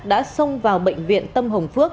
đã xông vào bệnh viện tâm hồng phước